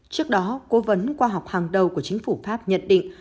trước đó cố vấn khoa học hàng đầu của chính phủ pháp nhận định